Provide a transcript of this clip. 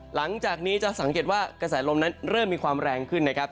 หลังจากนี้จะสังเกตว่ากระแสลมนั้นเริ่มมีความแรงขึ้นนะครับ